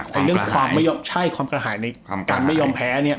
ในเรื่องความไม่ใช่ความกระหายในการไม่ยอมแพ้เนี่ย